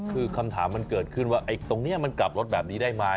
คือคำถามมันเกิดขึ้นว่าตรงนี้มันกลับรถแบบนี้ได้ไหม